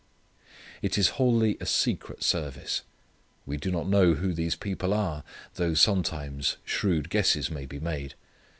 It is wholly a secret service. We do not know who these people are, though sometimes shrewd guesses may be made.